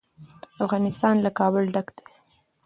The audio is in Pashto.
افغانستان له کابل ډک دی.